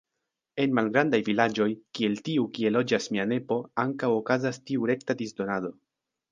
En malgrandaj vilaĝoj, kiel tiu kie loĝas mia nepo ankaŭ okazas tiu rekta disdonado.